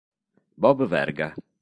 Bob Verga